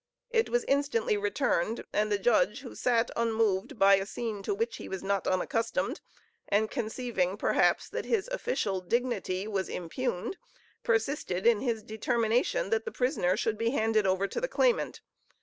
It was instantly returned, and the judge who sat unmoved, by a scene to which he was not unaccustomed, and conceiving, perhaps, that his official dignity was impugned, persisted in his determination that the prisoner should be handed over to the claimant.